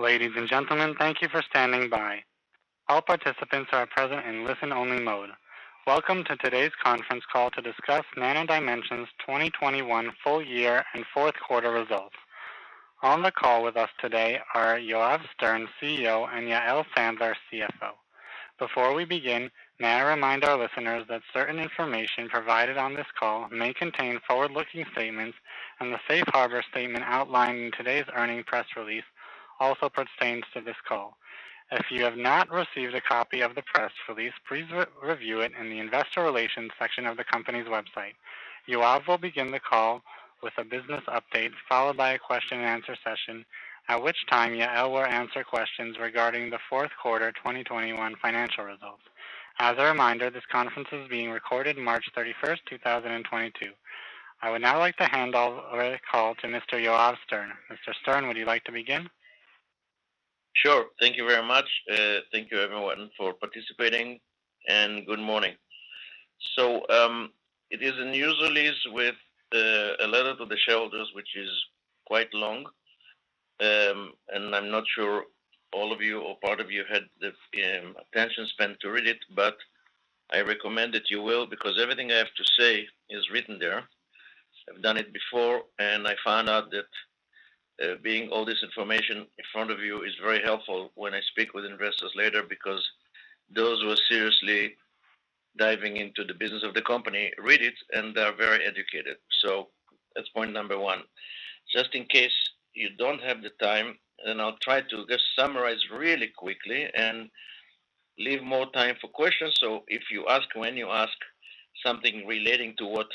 Ladies and gentlemen, thank you for standing by. All participants are present in listen-only mode. Welcome to today's conference call to discuss Nano Dimension's 2021 Full Year and Fourth Quarter Results. On the call with us today are Yoav Stern, Chief Executive Officer, and Yael Sandler, Chief Financial Officer. Before we begin, may I remind our listeners that certain information provided on this call may contain forward-looking statements and the safe harbor statement outlined in today's earnings press release also pertains to this call. If you have not received a copy of the press release, please review it in the investor relations section of the company's website. Yoav will begin the call with a business update, followed by a question and answer session, at which time Yael will answer questions regarding the fourth quarter 2021 financial results. As a reminder, this conference is being recorded. March 31st, 2022. I would now like to hand over the call to Mr. Yoav Stern. Mr. Stern, would you like to begin? Sure. Thank you very much. Thank you everyone for participating and good morning. It is a news release with a letter to the shareholders which is quite long. I'm not sure all of you or part of you had the attention span to read it, but I recommend that you will because everything I have to say is written there. I've done it before, and I found out that being all this information in front of you is very helpful when I speak with investors later because those who are seriously diving into the business of the company read it, and they are very educated. That's point number one. Just in case you don't have the time, then I'll try to just summarize really quickly and leave more time for questions. When you ask something relating to what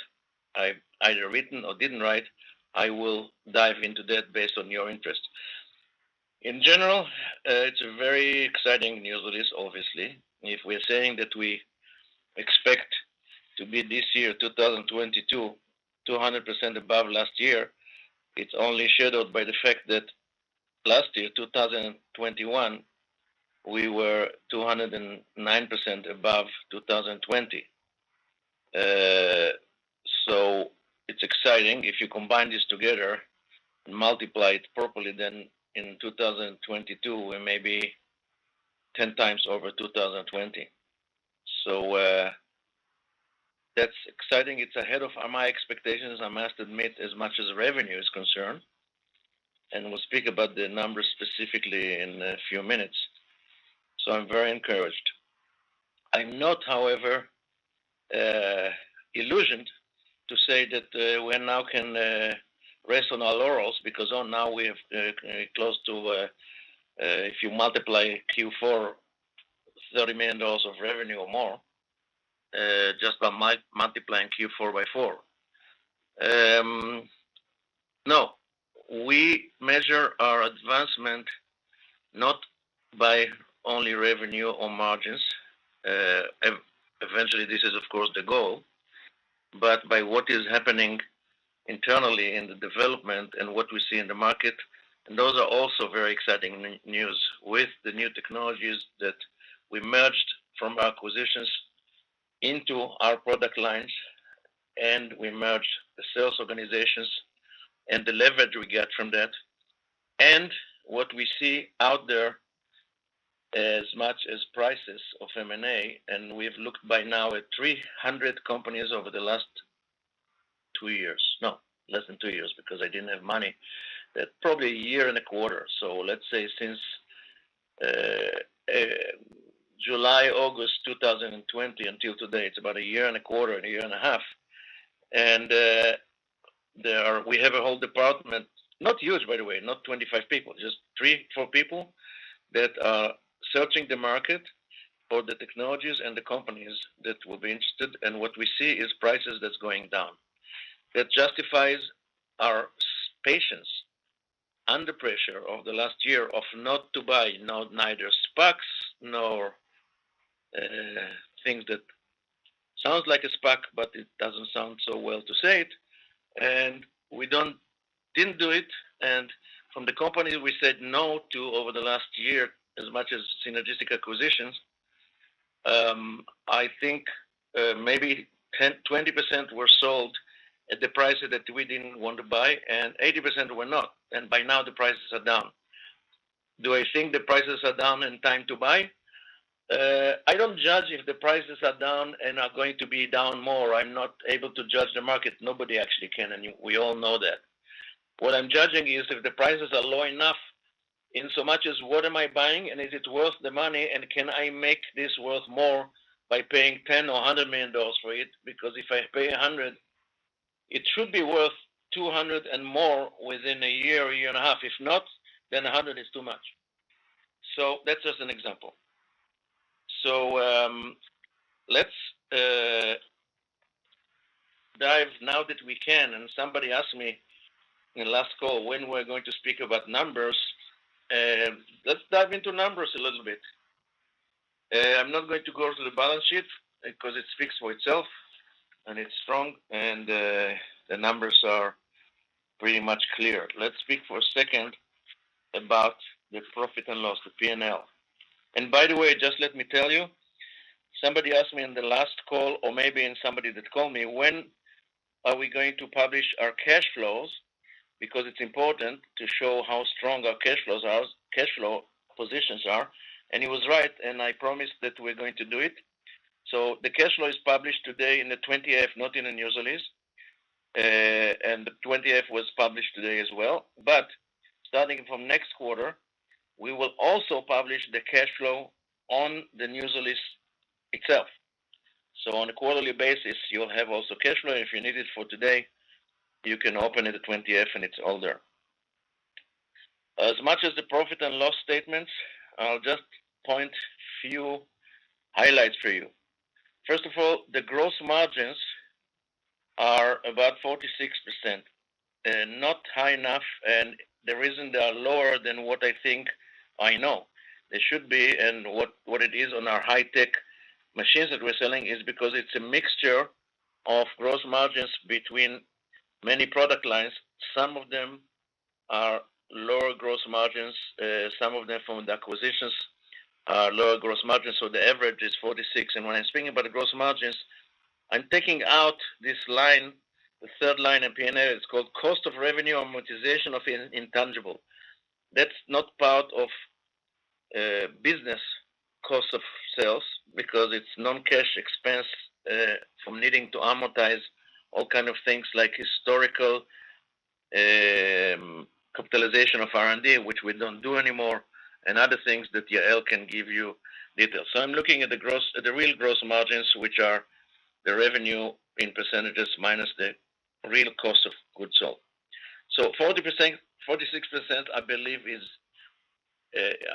I've either written or didn't write, I will dive into that based on your interest. In general, it's a very exciting news release obviously. If we are saying that we expect to be this year, 2022, 200% above last year, 2021, we were 209% above 2020. It's exciting. If you combine this together and multiply it properly, then in 2022 we may be 10x over 2020. That's exciting. It's ahead of my expectations, I must admit, as much as revenue is concerned, and we'll speak about the numbers specifically in a few minutes. I'm very encouraged. I'm not, however, under the illusion to say that we now can rest on our laurels because now we have close to if you multiply Q4, $30 million of revenue or more just by multiplying Q4 by four. No. We measure our advancement not by only revenue or margins, eventually this is of course the goal, but by what is happening internally in the development and what we see in the market, and those are also very exciting news. With the new technologies that we merged from our acquisitions into our product lines and we merged the sales organizations and the leverage we get from that, and what we see out there as much as prices of M&A, and we've looked by now at 300 companies over the last 2 years. No, less than two years because I didn't have money. Probably a year and a quarter. Let's say since July, August 2020 until today. It's about a year and a quarter, a year and a half. We have a whole department, not huge by the way, not 25 people, just three, four people that are searching the market for the technologies and the companies that will be interested, and what we see is prices that's going down. That justifies our patience under pressure over the last year of not to buy neither SPACs nor things that sounds like a SPAC, but it doesn't sound so well to say it. We didn't do it, and from the companies we said no to over the last year as much as synergistic acquisitions, I think, maybe 10%-20% were sold at the prices that we didn't want to buy and 80% were not, and by now the prices are down. Do I think the prices are down and time to buy? I don't judge if the prices are down and are going to be down more. I'm not able to judge the market. Nobody actually can, and we all know that. What I'm judging is if the prices are low enough in so much as what am I buying and is it worth the money and can I make this worth more by paying $10 million or $100 million for it? Because if I pay $100, it should be worth $200 and more within a year, a year and a half. If not, then $100 is too much. That's just an example. Let's dive now that we can, and somebody asked me in last call when we're going to speak about numbers. Let's dive into numbers a little bit. I'm not going to go through the balance sheet because it speaks for itself and it's strong and the numbers are pretty much clear. Let's speak for a second about the profit and loss, the P&L. By the way, just let me tell you. Somebody asked me in the last call, or maybe somebody that called me, when are we going to publish our cash flows? Because it's important to show how strong our cash flows are, cash flow positions are. He was right, and I promised that we're going to do it. The cash flow is published today in the 20-F, not in the news release. The 20-F was published today as well. Starting from next quarter, we will also publish the cash flow on the news release itself. On a quarterly basis, you'll have also cash flow. If you need it for today, you can open it at 20-F, and it's all there. As much as the profit and loss statements, I'll just point few highlights for you. First of all, the gross margins are about 46%. Not high enough, and the reason they are lower than what I think I know they should be and what it is on our high tech machines that we're selling is because it's a mixture of gross margins between many product lines. Some of them are lower gross margins. Some of them from the acquisitions are lower gross margins, so the average is 46%. When I'm speaking about the gross margins, I'm taking out this line, the third line in P&L, it's called cost of revenue amortization of intangible. That's not part of business cost of sales because it's non-cash expense from needing to amortize all kind of things like historical capitalization of R&D, which we don't do anymore, and other things that Yael can give you details. I'm looking at the real gross margins, which are the revenue in percentages minus the real cost of goods sold. 46%, I believe, is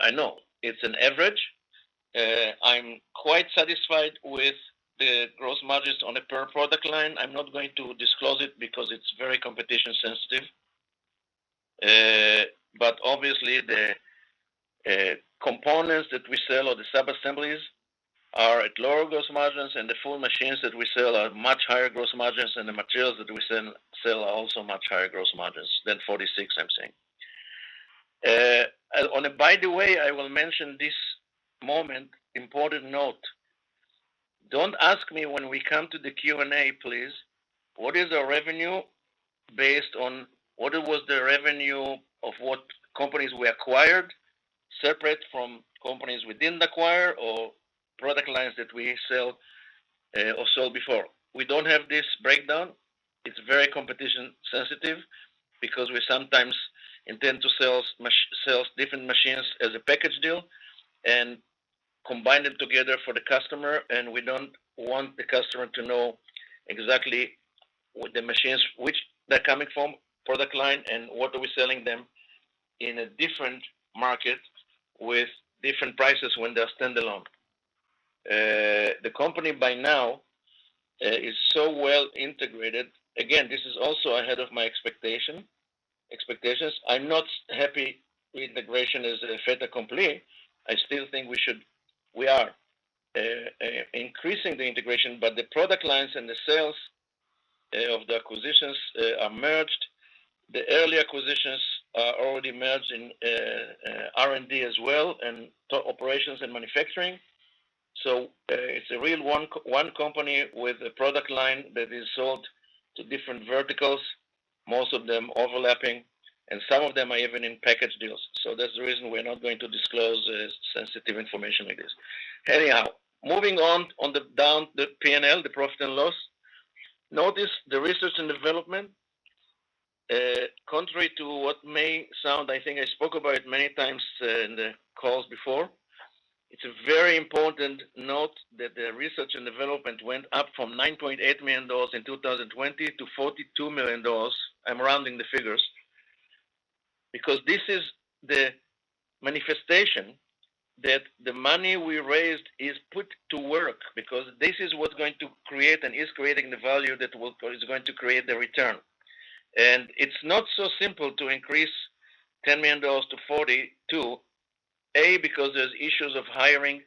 an average. I'm quite satisfied with the gross margins on a per product line. I'm not going to disclose it because it's very competitively sensitive. Obviously, the components that we sell, or the sub-assemblies, are at lower gross margins, and the full machines that we sell are much higher gross margins than the materials that we sell are also much higher gross margins than 46%, I'm saying. Oh, and by the way, I will mention this. Important note. Don't ask me when we come to the Q&A, please, what is our revenue based on what was the revenue of what companies we acquired separate from companies we didn't acquire or product lines that we sell, or sold before. We don't have this breakdown. It's very competition sensitive because we sometimes intend to sell different machines as a package deal and combine them together for the customer, and we don't want the customer to know exactly what the machines, which they're coming from, product line, and what are we selling them in a different market with different prices when they're standalone. The company by now is so well integrated. Again, this is also ahead of my expectations. I'm not happy the integration is a fait accompli. I still think we should. We are increasing the integration, but the product lines and the sales of the acquisitions are merged. The early acquisitions are already merged in R&D as well and to operations and manufacturing. It's a real one company with a product line that is sold to different verticals, most of them overlapping, and some of them are even in package deals. That's the reason we're not going to disclose this sensitive information like this. Anyhow, moving on down the P&L, the profit and loss. Notice the research and development. Contrary to what may sound, I think I spoke about it many times in the calls before, it's a very important note that the research and development went up from $9.8 million in 2020 to $42 million. I'm rounding the figures. Because this is the manifestation that the money we raised is put to work, because this is what's going to create and is creating the value that will or is going to create the return. It's not so simple to increase $10 million-$42 million. A, because there's issues of hiring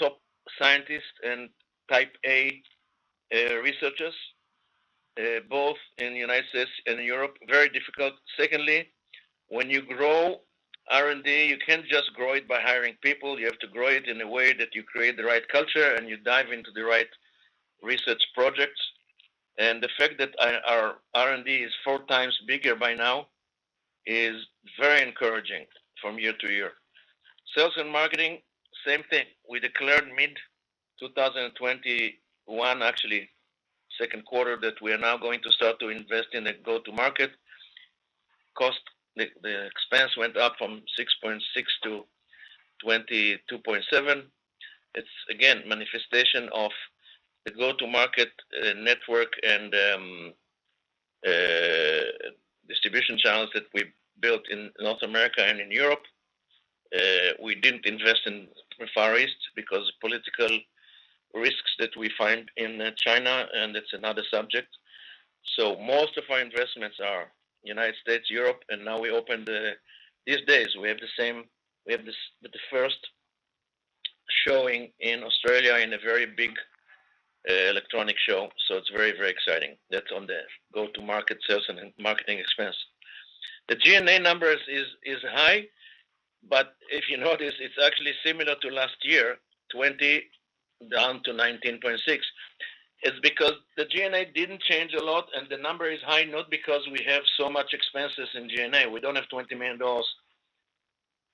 top scientists and type A researchers, both in the U.S. and Europe. Very difficult. Secondly, when you grow R&D, you can't just grow it by hiring people. You have to grow it in a way that you create the right culture, and you dive into the right research projects. The fact that our R&D is four times bigger by now is very encouraging from year to year. Sales and marketing, same thing. We declared mid-2021, actually Q2, that we are now going to start to invest in a go-to market. Cost, the expense went up from $6.6 million to $22.7 million. It's a manifestation of the go-to-market network and distribution channels that we built in North America and in Europe. We didn't invest in Far East because political risks that we find in China, and it's another subject. Most of our investments are in the United States, Europe, and now, these days, we have the first showing in Australia in a very big electronics show, so it's very, very exciting. That's on the go-to-market sales and marketing expense. The G&A numbers is high, but if you notice, it's actually similar to last year, $20 million-$19.6 million. It's because the G&A didn't change a lot and the number is high, not because we have so much expenses in G&A. We don't have $20 million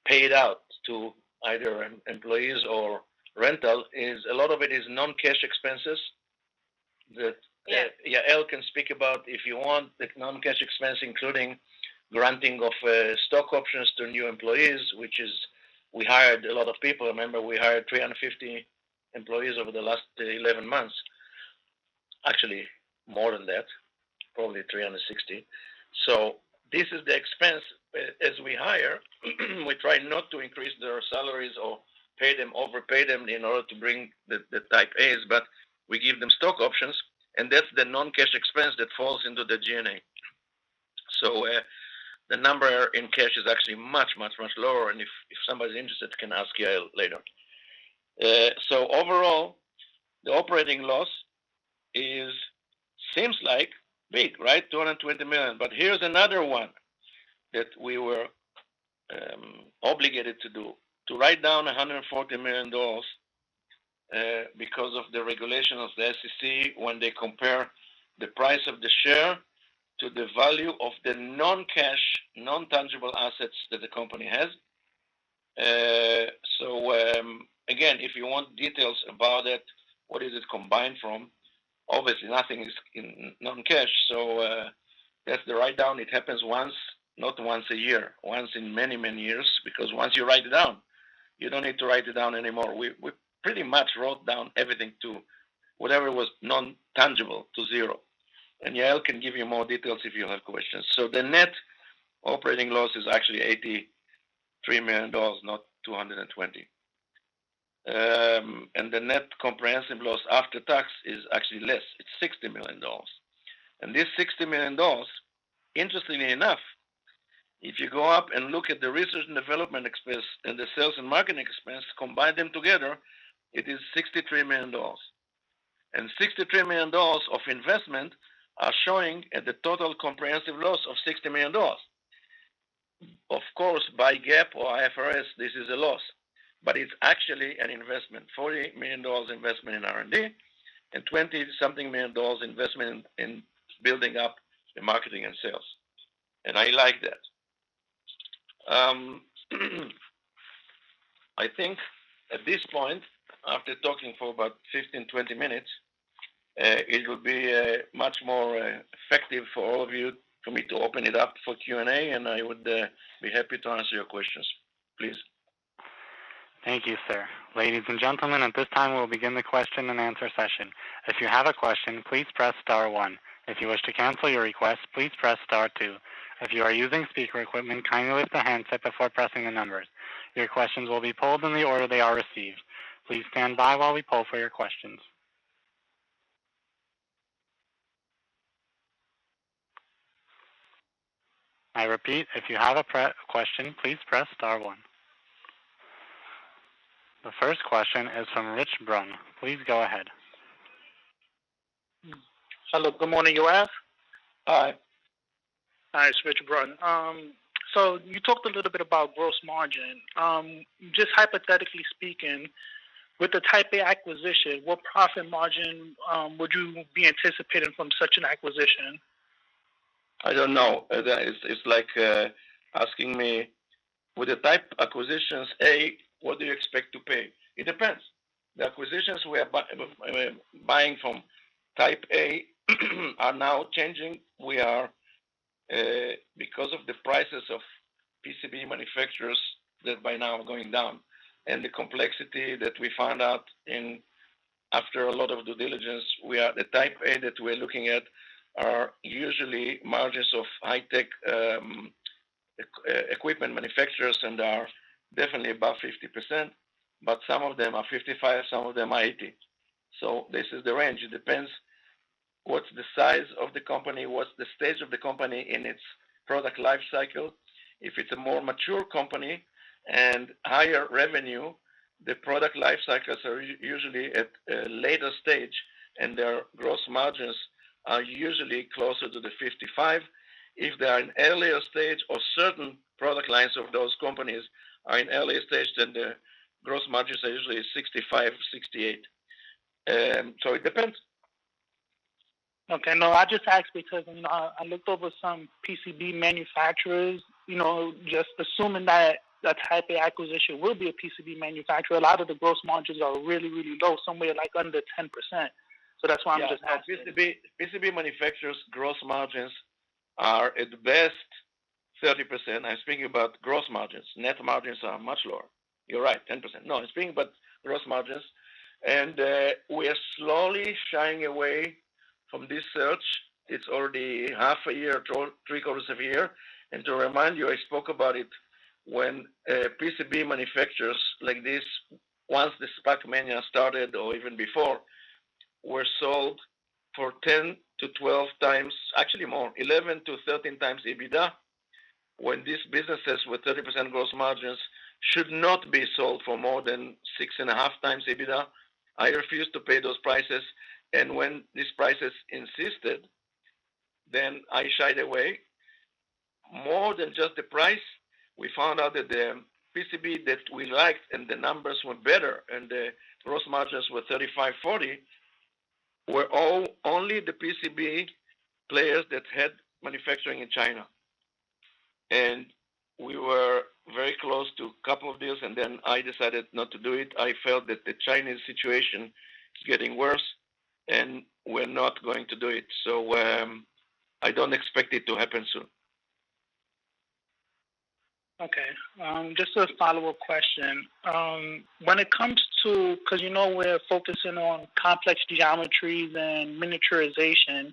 paid out to either employees or rental. Is a lot of it is non-cash expenses. Yeah. Yael can speak about it if you want. The non-cash expense, including granting of stock options to new employees, which is we hired a lot of people. Remember, we hired 350 employees over the last 11 months. Actually, more than that, probably 360. This is the expense. As we hire, we try not to increase their salaries or pay them, overpay them in order to bring the Type As, but we give them stock options, and that's the non-cash expense that falls into the G&A. The number in cash is actually much, much, much lower, and if somebody's interested can ask Yael later. Overall, the operating loss is seems like big, right? $220 million. Here's another one that we were obligated to do, to write down $140 million, because of the regulation of the SEC when they compare the price of the share to the value of the non-cash, non-tangible assets that the company has. Again, if you want details about it, what is it combined from? Obviously nothing is in non-cash, so that's the write down. It happens once, not once a year. Once in many, many years, because once you write it down, you don't need to write it down anymore. We pretty much wrote down everything to whatever was non-tangible to zero. Yael can give you more details if you have questions. The net operating loss is actually $83 million, not $220 million. The net comprehensive loss after tax is actually less. It's $60 million. This $60 million, interestingly enough, if you go up and look at the research and development expense and the sales and marketing expense, combine them together, it is $63 million. $63 million of investment are showing at the total comprehensive loss of $60 million. Of course, by GAAP or IFRS, this is a loss, but it's actually an investment. $48 million investment in R&D and 20-something million dollars investment in building up the marketing and sales. I like that. I think at this point, after talking for about 15, 20 minutes, it would be much more effective for all of you for me to open it up for Q&A, and I would be happy to answer your questions. Please. Thank you, sir. Ladies and gentlemen, at this time, we'll begin the question and answer session. If you have a question, please press star one. If you wish to cancel your request, please press star two. If you are using speaker equipment, kindly lift the handset before pressing the numbers. Your questions will be pulled in the order they are received. Please stand by while we pull for your questions. I repeat, if you have a question, please press star one. The first question is from Rich Brun. Please go ahead. Hello. Good morning. Yoav? Hi. Hi. It's Rich Brun. You talked a little bit about gross margin. Just hypothetically speaking, with the Type A acquisition, what profit margin would you be anticipating from such an acquisition? I don't know. It's like asking me what type acquisitions are, what do you expect to pay? It depends. The acquisitions we are buying from Type A are now changing. We are because of the prices of PCB manufacturers that by now are going down and the complexity that we found out after a lot of due diligence, the Type A that we're looking at are usually margins of high-tech equipment manufacturers and are definitely above 50%, but some of them are 55%, some of them are 80%. This is the range. It depends what's the size of the company, what's the stage of the company in its product life cycle. If it's a more mature company and higher revenue, the product life cycles are usually at a later stage, and their gross margins are usually closer to the 55%. If they are an earlier stage or certain product lines of those companies are in earlier stage, then their gross margins are usually 65%, 68%. It depends. Okay. No, I just asked because when I looked over some PCB manufacturers, you know, just assuming that a Type A acquisition will be a PCB manufacturer. A lot of the gross margins are really, really low, somewhere like under 10%. That's why I'm just asking. Yeah. PCB manufacturers' gross margins are at best 30%. I'm speaking about gross margins. Net margins are much lower. You're right, 10%. No, I'm speaking about gross margins. We are slowly shying away from this search. It's already half a year, three quarters of a year. To remind you, I spoke about it when PCB manufacturers like this, once the SPAC mania started or even before, were sold for 10x to 12x, actually more, 11x to 13x EBITDA. These businesses with 30% gross margins should not be sold for more than 6.5x EBITDA. I refuse to pay those prices. When these prices persisted, I shied away. More than just the price, we found out that the PCB that we liked, and the numbers were better, and the gross margins were 35%-40%, were all only the PCB players that had manufacturing in China. We were very close to a couple of deals, and then I decided not to do it. I felt that the Chinese situation is getting worse, and we're not going to do it. I don't expect it to happen soon. Okay. Just a follow-up question. When it comes to 'cause you know, we're focusing on complex geometries and miniaturization,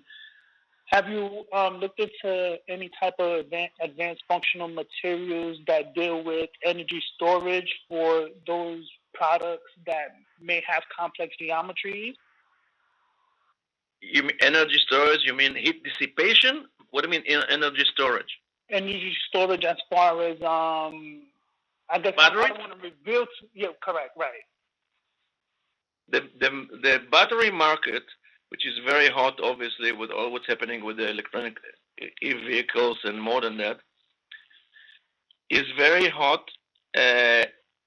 have you looked into any type of advanced functional materials that deal with energy storage for those products that may have complex geometries? You mean energy storage? You mean heat dissipation? What do you mean energy storage? Energy storage as far as, I guess. Battery? Something that can be built. Yeah. Correct. Right. The battery market, which is very hot, obviously, with all what's happening with the electric vehicles and more than that, is very hot,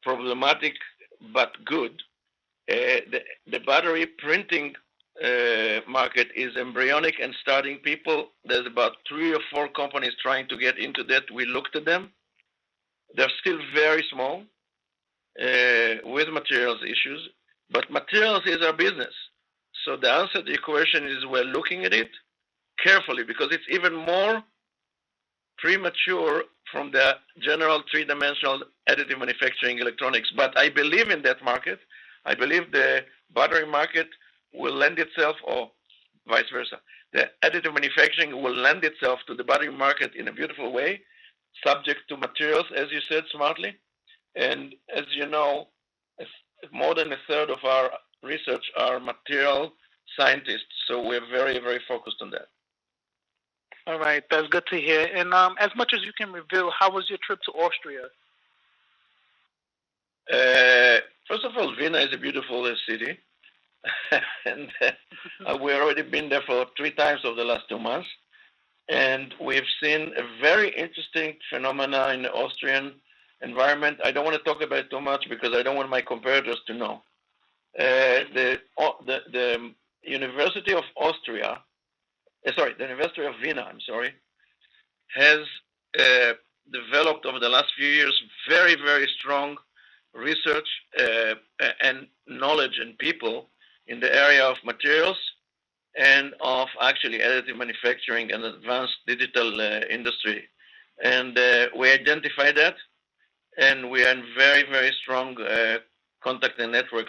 problematic, but good. The battery printing market is embryonic and starting people. There's about three or four companies trying to get into that. We looked at them. They're still very small, with materials issues, but materials is our business. So the answer to your question is, we're looking at it carefully because it's even more premature than the general three-dimensional additive manufacturing electronics. I believe in that market, I believe the battery market will lend itself or vice versa. The additive manufacturing will lend itself to the battery market in a beautiful way, subject to materials, as you said smartly. As you know, more than a third of our research are material scientists, so we're very, very focused on that. All right. That's good to hear. As much as you can reveal, how was your trip to Austria? First of all, Vienna is a beautiful city, and we've already been there three times over the last two months. We've seen a very interesting phenomenon in the Austrian environment. I don't wanna talk about it too much because I don't want my competitors to know. The University of Vienna has developed over the last few years very, very strong research and knowledge in people in the area of materials and of actually additive manufacturing and advanced digital industry. We identify that, and we are in very, very strong contact and network.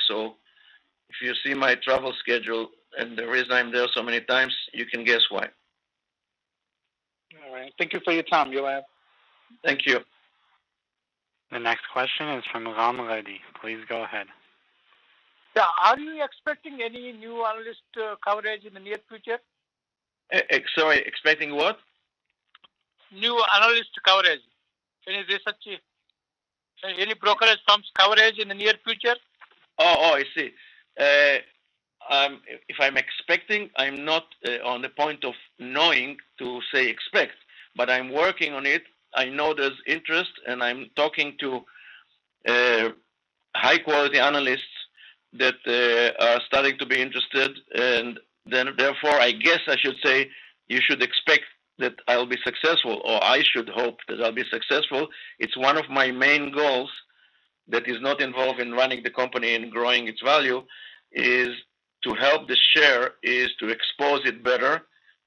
If you see my travel schedule and the reason I'm there so many times, you can guess why. All right. Thank you for your time, Yoav. Thank you. The next question is from Ram Gredi. Please go ahead. Yeah. Are you expecting any new analyst coverage in the near future? Sorry, expecting what? New analyst coverage. Any research, any brokerage firms coverage in the near future? I see. If I'm expecting, I'm not at the point of knowing to say expect, but I'm working on it. I know there's interest, and I'm talking to high-quality analysts that are starting to be interested. I guess I should say you should expect that I'll be successful or I should hope that I'll be successful. It's one of my main goals that is not involved in running the company and growing its value, is to help the share, is to expose it better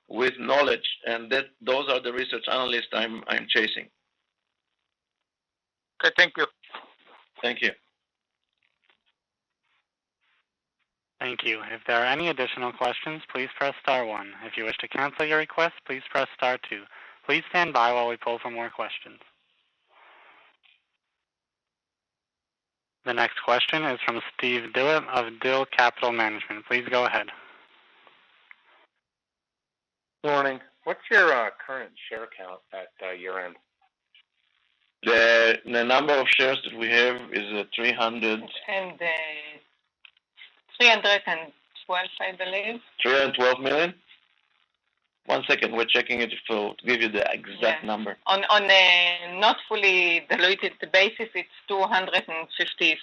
with knowledge, and that those are the research analysts I'm chasing. Okay. Thank you. Thank you. Thank you. If there are any additional questions, please press star one. If you wish to cancel your request, please press star two. Please stand by while we poll for more questions. The next question is from Steve Egli of Diligence Capital Management. Please go ahead. Morning. What's your current share count at year-end? The number of shares that we have is 300- $312, I believe. $312 million. One second. We're checking it to give you the exact number. Yes. On a not fully diluted basis, it's $267.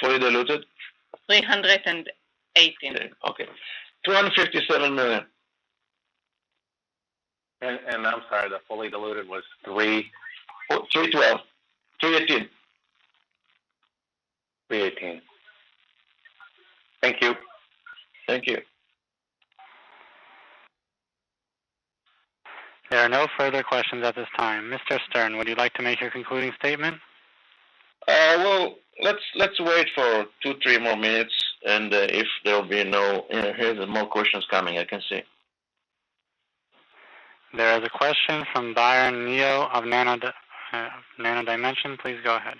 Fully diluted? $318. Okay. $257 million. I'm sorry, the fully diluted was? Three... Three twelve. Three eighteen. $318. Thank you. Thank you. There are no further questions at this time. Mr. Stern, would you like to make your concluding statement? Well, let's wait for 2, 3 more minutes. Here are more questions coming, I can see. There is a question from Byron Neal of Nano Dimension. Please go ahead.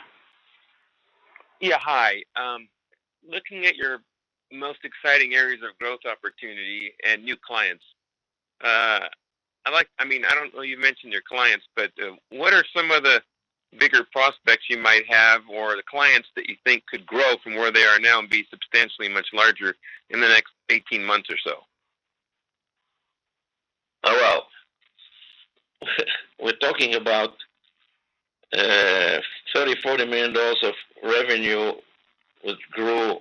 Yeah. Hi. Looking at your most exciting areas of growth opportunity and new clients, I mean, I don't know you mentioned your clients, but, what are some of the bigger prospects you might have or the clients that you think could grow from where they are now and be substantially much larger in the next 18 months or so? We're talking about $30 million-$40 million of revenue, which grew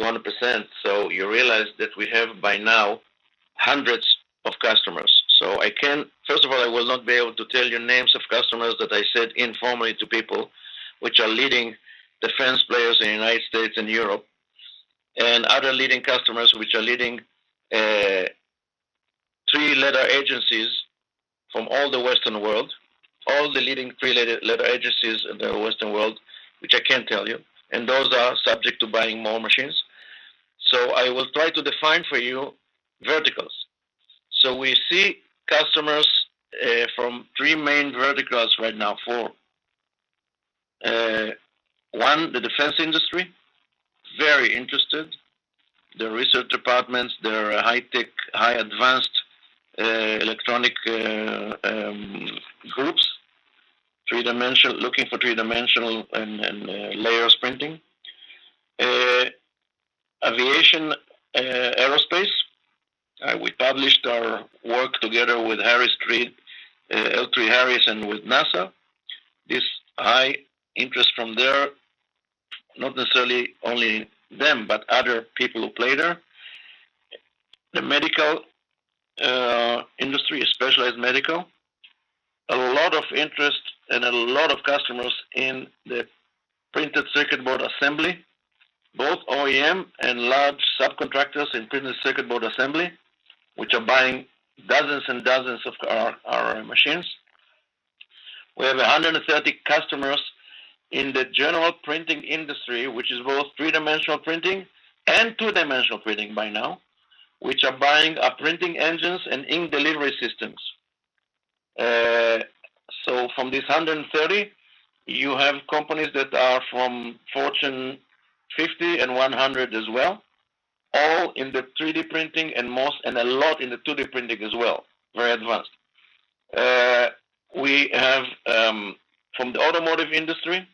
200%. You realize that we have by now hundreds of customers. I can. First of all, I will not be able to tell you names of customers that I said informally to people which are leading defense players in the United States and Europe, and other leading customers which are leading three-letter agencies from all the Western world, all the leading three-letter agencies in the Western world, which I can't tell you, and those are subject to buying more machines. I will try to define for you verticals. We see customers from three main verticals right now. Four. One, the defense industry, very interested. Their research departments, their high-tech, high advanced electronic groups. Looking for three-dimensional and layer printing. Aviation, aerospace. We published our work together with Harris 3D, L3Harris and with NASA. This high interest from there, not necessarily only them, but other people who play there. The medical industry, specialized medical. A lot of interest and a lot of customers in the printed circuit board assembly, both OEM and large subcontractors in printed circuit board assembly, which are buying dozens and dozens of our machines. We have 130 customers in the general printing industry, which is both three-dimensional printing and two-dimensional printing by now, which are buying our printing engines and ink delivery systems. From these 130, you have companies that are from Fortune 50 and 100 as well, all in the 3D printing and most, and a lot in the 2D printing as well. Very advanced. We have from the automotive industry,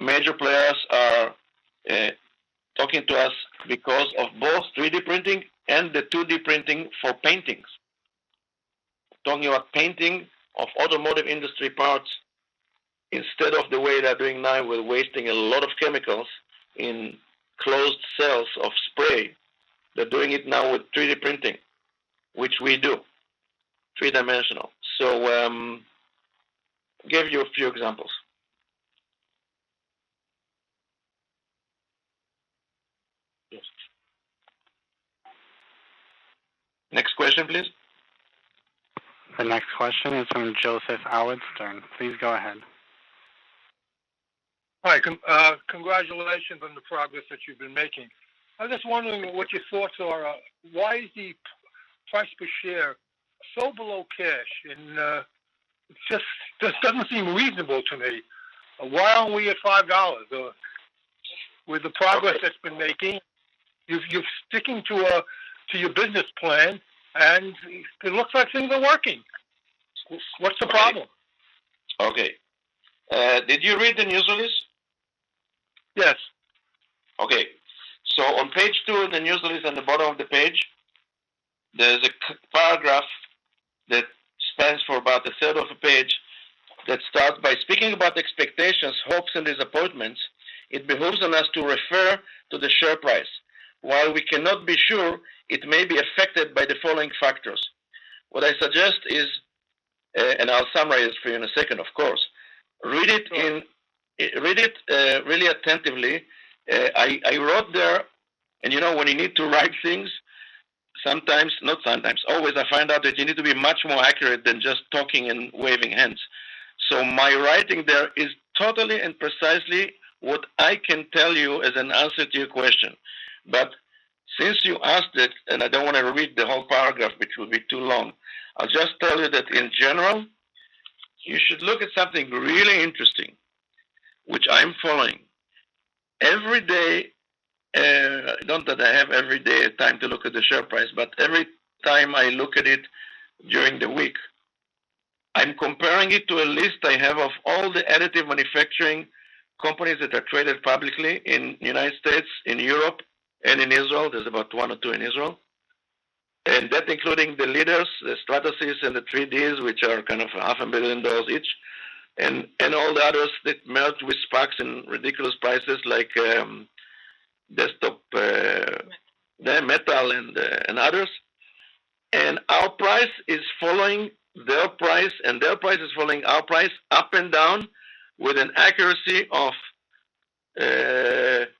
major players are talking to us because of both 3D printing and the 2D printing for paintings. Talking about painting of automotive industry parts instead of the way they're doing now, we're wasting a lot of chemicals in closed cells of spray. They're doing it now with 3D printing, which we do, three-dimensional. Give you a few examples. Yes. Next question, please. The next question is from Joseph Howard Stern. Please go ahead. Hi. Congratulations on the progress that you've been making. I'm just wondering what your thoughts are. Why is the price per share so below cash? It just doesn't seem reasonable to me. Why aren't we at $5 or with the progress that's been made? You're sticking to your business plan, and it looks like things are working. What's the problem? Okay. Did you read the news release? Yes. Okay. On page two of the news release, on the bottom of the page, there's a paragraph that spans for about a third of a page that starts by speaking about expectations, hopes and disappointments. It behooves us to refer to the share price. While we cannot be sure, it may be affected by the following factors. What I suggest is, and I'll summarize for you in a second, of course. Read it really attentively. I wrote there, and, you know, when you need to write things, sometimes, not sometimes, always, I find out that you need to be much more accurate than just talking and waving hands. My writing there is totally and precisely what I can tell you as an answer to your question. Since you asked it, and I don't want to read the whole paragraph, which will be too long, I'll just tell you that in general, you should look at something really interesting, which I'm following. Every day, not that I have every day a time to look at the share price, but every time I look at it during the week, I'm comparing it to a list I have of all the additive manufacturing companies that are traded publicly in United States, in Europe and in Israel. There's about one or two in Israel. That including the leaders, the Stratasys and the 3Ds, which are kind of half a million dollars each. And all the others that melt with sparks and ridiculous prices like Desktop Metal and others. Our price is following their price, and their price is following our price up and down with an accuracy of 20%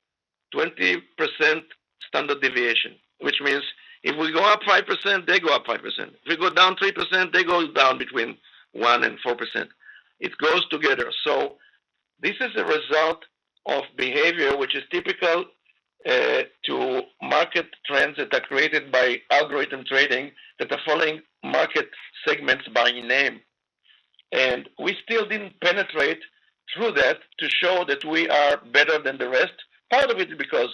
standard deviation, which means if we go up 5%, they go up 5%. If we go down 3%, they go down between 1% and 4%. It goes together. This is a result of behavior which is typical market trends that are created by algorithmic trading that are following market segments by name. We still didn't penetrate through that to show that we are better than the rest. Part of it is because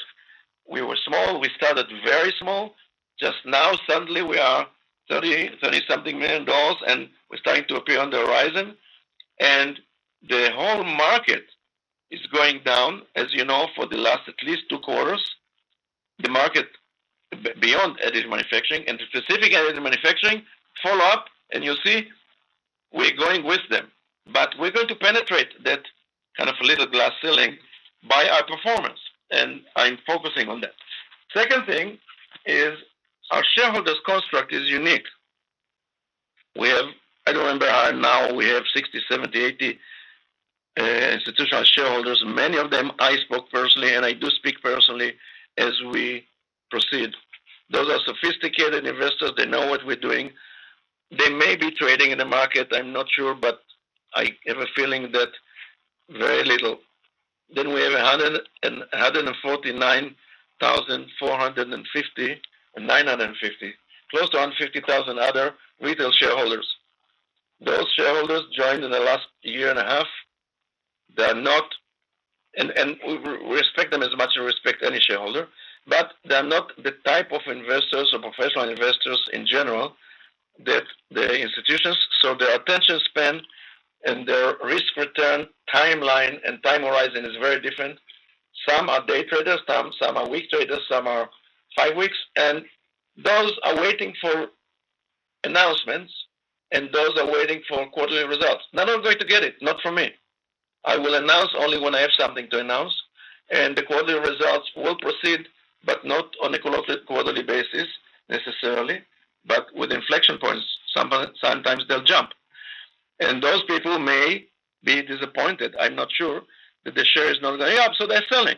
we were small. We started very small. Just now, suddenly, we are $30 something million, and we're starting to appear on the horizon. The whole market is going down, as you know, for the last at least two quarters. The market beyond additive manufacturing into specific additive manufacturing follow-up, and you see we're going with them. We're going to penetrate that kind of a little glass ceiling by our performance, and I'm focusing on that. Second thing is our shareholders construct is unique. We have 60, 70, 80 institutional shareholders. Many of them I spoke personally, and I do speak personally as we proceed. Those are sophisticated investors. They know what we're doing. They may be trading in the market, I'm not sure, but I have a feeling that very little. Then we have 149,459. Close to 150,000 other retail shareholders. Those shareholders joined in the last year and a half. They're not... We respect them as much as we respect any shareholder, but they're not the type of investors or professional investors in general that the institutions. Their attention span and their risk return timeline and time horizon is very different. Some are day traders, some are week traders, some are five weeks. Those are waiting for announcements, and those are waiting for quarterly results. None are going to get it, not from me. I will announce only when I have something to announce. The quarterly results will proceed, but not on a quarterly basis, necessarily, but with inflection points. Sometimes they'll jump. Those people may be disappointed, I'm not sure, that their share is not going up, so they're selling.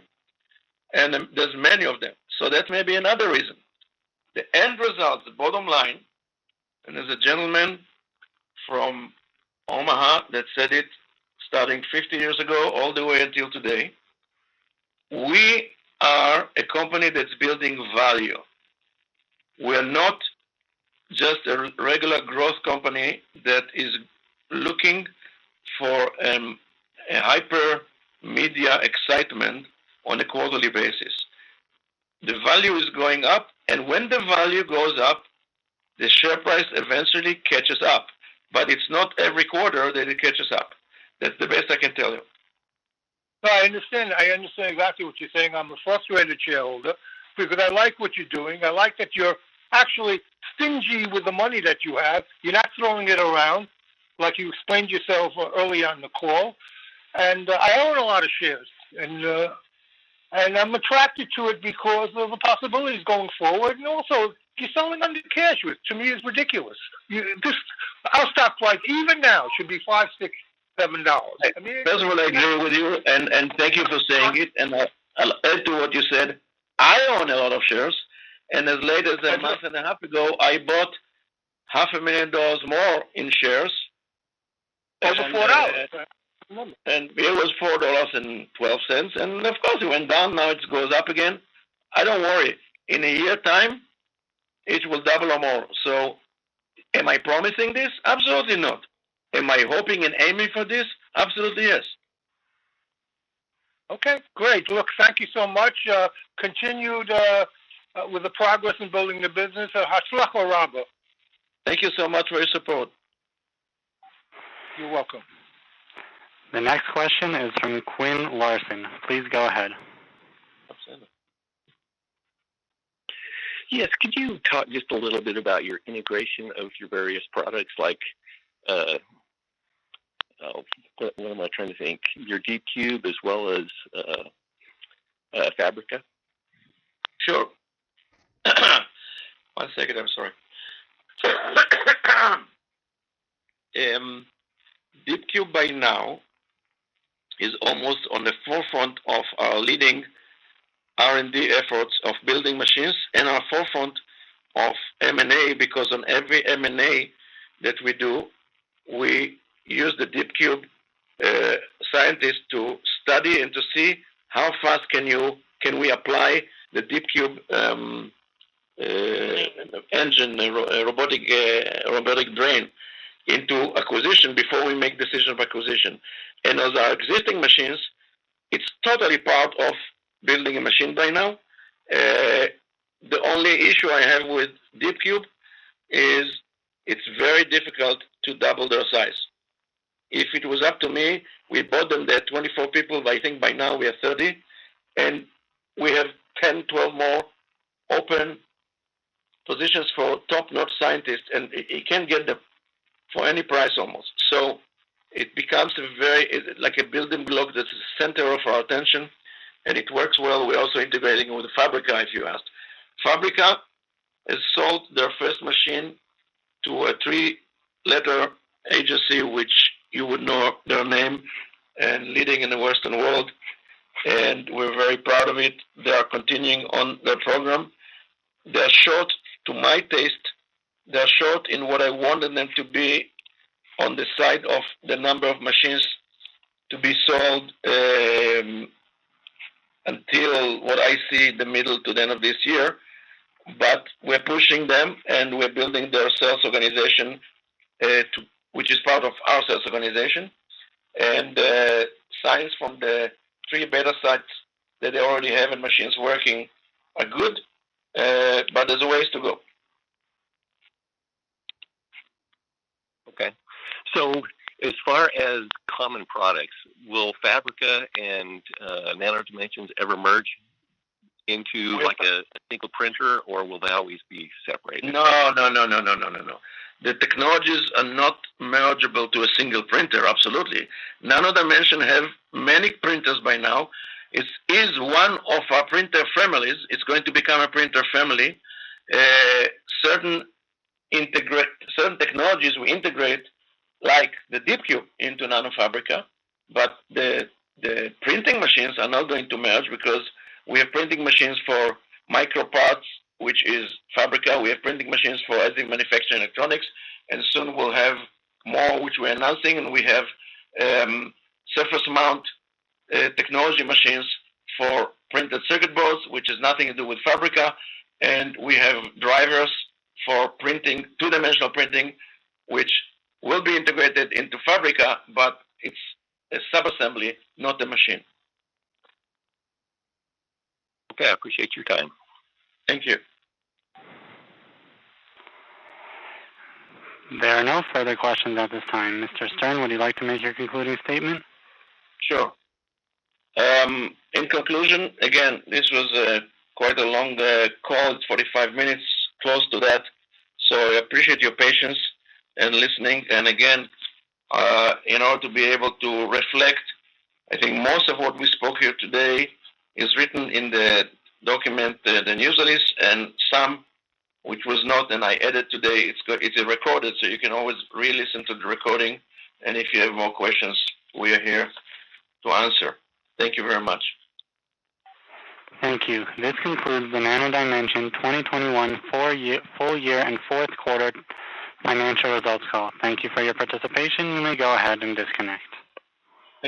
There's many of them. That may be another reason. The end result, the bottom line, and there's a gentleman from Omaha that said it starting 50 years ago all the way until today, we are a company that's building value. We're not just a regular growth company that is looking for a hyper media excitement on a quarterly basis. The value is going up, and when the value goes up, the share price eventually catches up. It's not every quarter that it catches up. That's the best I can tell you. No, I understand. I understand exactly what you're saying. I'm a frustrated shareholder because I like what you're doing. I like that you're actually stingy with the money that you have. You're not throwing it around like you explained yourself early on in the call. I own a lot of shares. I'm attracted to it because of the possibilities going forward. Also you're selling under the cash price. To me, it's ridiculous. Our stock price even now should be $5, $6, $7. I mean. First of all, I agree with you, and thank you for saying it. I'll add to what you said. I own a lot of shares, and as late as a month and a half ago, I bought half a million dollars more in shares as a private. It was $4.12, and of course, it went down. Now it goes up again. I don't worry. In a year time, it will double or more. Am I promising this? Absolutely not. Am I hoping and aiming for this? Absolutely, yes. Okay, great. Look, thank you so much. Continue with the progress in building the business. Thank you so much for your support. You're welcome. The next question is from Quinn Larson. Please go ahead. Absolutely. Yes. Could you talk just a little bit about your integration of your various products like your DeepCube as well as Fabrica? Sure. One second. I'm sorry. DeepCube by now is almost on the forefront of our leading R&D efforts of building machines and our forefront of M&A because on every M&A that we do, we use the DeepCube scientists to study and to see how fast can we apply the DeepCube engine, robotic brain into acquisition before we make decision of acquisition. As our existing machines, it's totally part of building a machine by now. The only issue I have with DeepCube is it's very difficult to double their size. If it was up to me, we bought them, they're 24 people, but I think by now we are 30. We have 10, 12 more open positions for top-notch scientists, and you can't get them for any price almost. It becomes a very... Like a building block that's the center of our attention, and it works well. We're also integrating with Fabrica, if you asked. Fabrica has sold their first machine to a three-letter agency, which you would know their name and leading in the Western world, and we're very proud of it. They are continuing on their program. They're short in what I wanted them to be on the side of the number of machines to be sold until what I see the middle to the end of this year. We're pushing them, and we're building their sales organization, which is part of our sales organization. Signs from the three beta sites that they already have in machines working are good, but there's a ways to go. Okay. As far as common products, will Fabrica and Nano Dimension ever merge into a single printer, or will they always be separated? No. The technologies are not mergeable to a single printer, absolutely. Nano Dimension have many printers by now. It is one of our printer families. It's going to become a printer family. Certain technologies we integrate, like the DeepCube into Nano Fabrica, but the printing machines are not going to merge because we have printing machines for microparts, which is Fabrica. We have printing machines for additive manufacturing electronics, and soon we'll have more, which we're announcing, and we have surface mount technology machines for printed circuit boards, which has nothing to do with Fabrica. We have printers for two-dimensional printing, which will be integrated into Fabrica, but it's a sub-assembly, not a machine. Okay. I appreciate your time. Thank you. There are no further questions at this time. Mr. Stern, would you like to make your concluding statement? Sure. In conclusion, again, this was quite a long call, 45 minutes, close to that. I appreciate your patience and listening. Again, in order to be able to reflect, I think most of what we spoke here today is written in the document, the news release, and some which was not, and I added today. It's recorded, so you can always re-listen to the recording. If you have more questions, we are here to answer. Thank you very much. Thank you. This concludes the Nano Dimension 2021 Full Year and Fourth Quarter Financial Results Call. Thank you for your participation. You may go ahead and disconnect. Thank you.